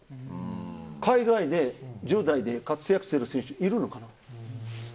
海外で１０代で活躍してる選手いるのかな。